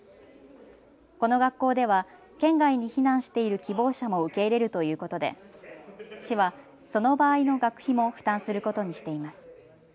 この学校では県外に避難している希望者も受け入れるということで市はその場合の学費も負担することにしています。